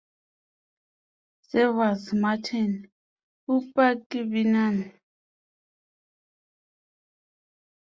Sievers, Martin: Purpurkvinnan.